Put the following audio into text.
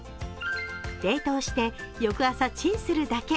冷凍して翌朝チンするだけ。